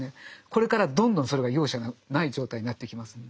これからどんどんそれが容赦ない状態になっていきます。